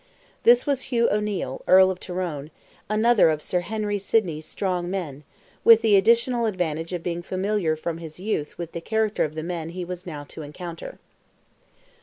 This was Hugh O'Neil, Earl of Tyrone, another of Sir Henry Sidney's "strong men," with the additional advantage of being familiar from his youth with the character of the men he was now to encounter.